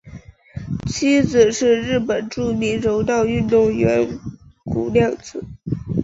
妻子是日本著名柔道运动员谷亮子。